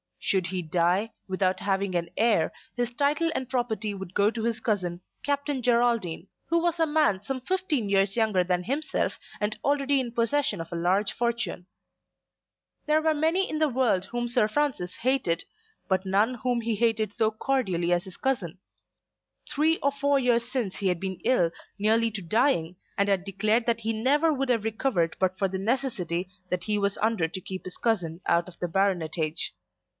Should he die, without having an heir, his title and property would go to his cousin, Captain Geraldine, who was a man some fifteen years younger than himself and already in possession of a large fortune. There were many people in the world whom Sir Francis hated, but none whom he hated so cordially as his cousin. Three or four years since he had been ill, nearly to dying, and had declared that he never would have recovered but for the necessity that he was under to keep his cousin out of the baronetage.